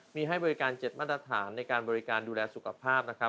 มีให้บริการ๗มาตรฐานในการบริการดูแลสุขภาพนะครับ